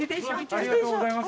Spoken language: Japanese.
ありがとうございます。